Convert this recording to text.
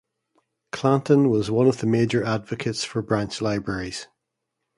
Clanton was one of the major advocates for branch libraries.